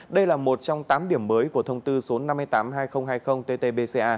đây là một trong tám điểm mới của thông tư số năm trăm tám mươi hai nghìn hai mươi ttbc